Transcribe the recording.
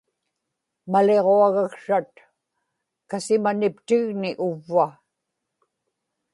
maliġuagaksrat kasimaniptigni uvva